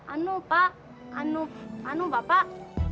anu pak anu anu bapak